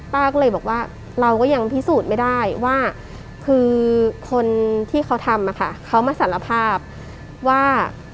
ป้าก็เลยบอกว่าเราก็ยังพิสูจน์ไม่ได้ว่าคือคนที่เขาทำเขามาสารภาพว่า